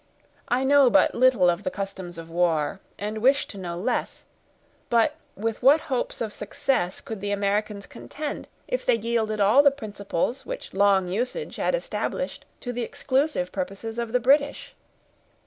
I know but little of the customs of war, and wish to know less; but with what hopes of success could the Americans contend, if they yielded all the principles which long usage had established, to the exclusive purposes of the British?"